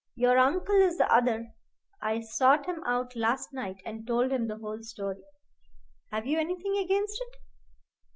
"Your uncle is the other. I sought him out last night and told him the whole story. Have you anything against it?